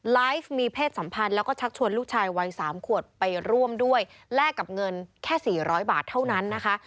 ไลฟ์มีเพศสัมพันธ์แล้วก็ชักชวนลูกชายวัย๓ขวบไปร่วมด้วยแลกกับเงินแค่๔๐๐บาทเท่านั้นนะคะ